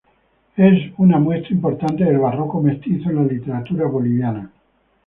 Es una muestra importante del barroco mestizo en la literatura boliviana.